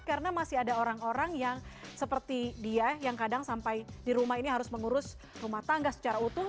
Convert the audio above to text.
karena masih ada orang orang yang seperti dia yang kadang sampai di rumah ini harus mengurus rumah tangga secara utuh